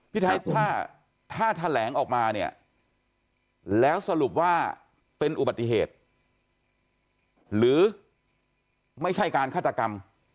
ไทยถ้าแถลงออกมาเนี่ยแล้วสรุปว่าเป็นอุบัติเหตุหรือไม่ใช่การฆาตกรรม